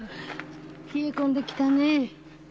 冷え込んできたね。